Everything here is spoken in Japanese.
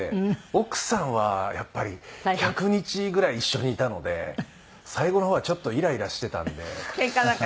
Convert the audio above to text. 奥さんはやっぱり１００日ぐらい一緒にいたので最後の方はちょっとイライラしてたんで。